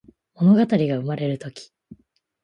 ものがたりがうまれるとき